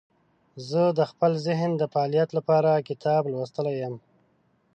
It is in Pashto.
زه د خپل ذهن د فعالیت لپاره کتاب لوستلی یم.